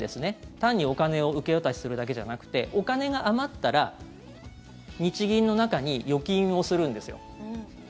単にお金を受け渡しするだけじゃなくてお金が余ったら日銀の中に預金をするんですよ。